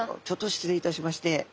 ちょっと失礼いたしまして。